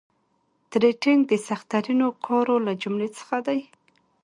ټریډینګ د سخترینو کارو له جملې څخه دي